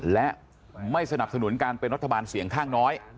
และไม่สนับสนุนการเป็นรัฐบาลเสียงข้างน้อย